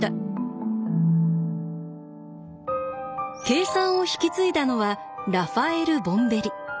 計算を引き継いだのはラファエル・ボンベリ。